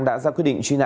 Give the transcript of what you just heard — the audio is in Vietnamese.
đã ra quyết định truy nã